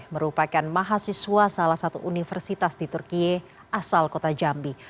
merupakan mahasiswa salah satu universitas di turkiye asal kota jambi